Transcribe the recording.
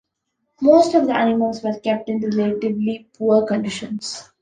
Most of the animals were kept in relatively poor conditions.